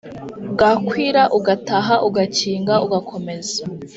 bwakwira ugataha ugakinga ugakomeza